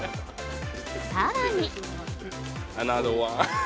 さらに。